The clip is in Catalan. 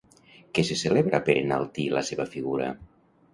Què se celebra per enaltir la seva figura?